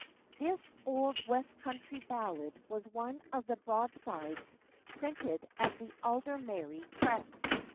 [THIS old West country ballad was one of the broadsides printed at the Aldermary press.